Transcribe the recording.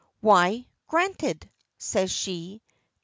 "Why, granted!" says she.